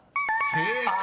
［正解。